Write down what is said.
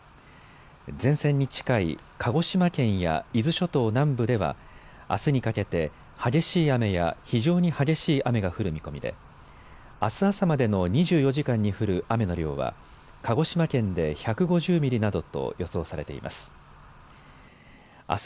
前線に近い鹿児島県や伊豆諸島南部ではあすにかけて激しい雨や非常に激しい雨が降る見込みであす朝までの２４時間に降る雨の量は鹿児島県で１５０ミリなどと予想されています。